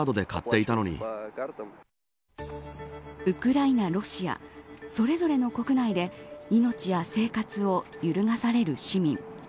ウクライナ、ロシアそれぞれの国内で命や生活を揺るがされる市民。